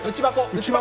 内箱！